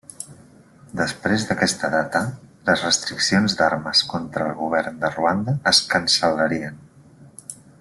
Després d'aquesta data, les restriccions d'armes contra el govern de Ruanda es cancel·larien.